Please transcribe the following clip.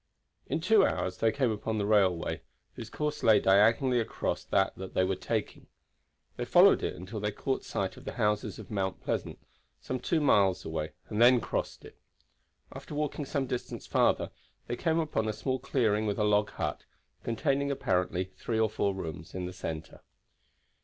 In two hours they came upon the railway, whose course lay diagonally across that they were taking. They followed it until they caught sight of the houses of Mount Pleasant, some two miles away, and then crossed it. After walking some distance farther they came upon a small clearing with a log hut, containing apparently three or four rooms, in the center.